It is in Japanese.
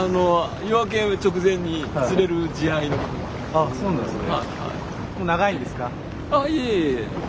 あっそうなんですね。